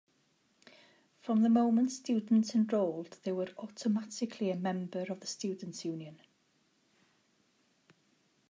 From the moment students enrolled they were automatically a member of the Students’ Union.